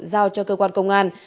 giao cho cơ quan công an